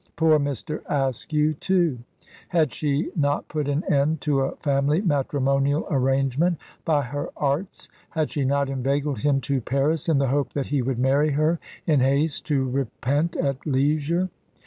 Poor Mr. Askew, too: had she not put an end to a family matrimonial arrangement by her arts; had she not inveigled him to Paris in the hope that he would marry her in haste to repent at leisure?